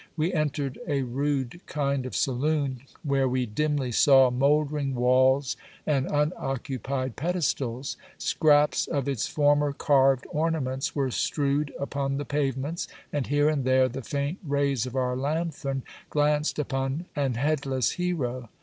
We entered a rude kind of saloon, where we dimly saw mouldering walls, and unoccupied pedestals; scraps of its former carved ornaments were strewed upon the pavements; and here and there the faint rays of our lanthern glanced upon an headless hero.